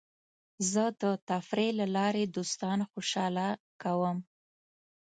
زه د تفریح له لارې دوستان خوشحاله کوم.